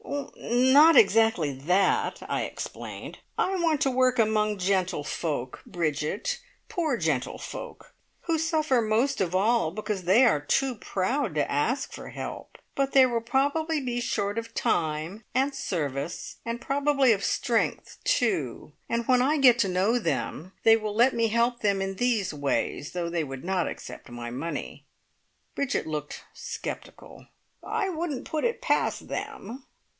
"N not exactly that," I explained. "I want to work among gentlefolk, Bridget poor gentlefolk, who suffer most of all, because they are too proud to ask for help. But they will probably be short of time, and service, and probably of strength, too, and when I get to know them, they will let me help them in these ways, though they would not accept my money " Bridget looked sceptical. "I wouldn't put it past them!"